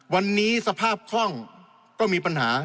วันนี้สภาพคล่องก็มีปัญหา